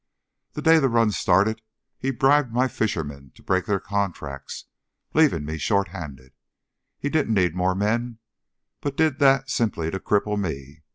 The day the run started he bribed my fishermen to break their contracts, leaving me short handed. He didn't need more men, but did that simply to cripple me.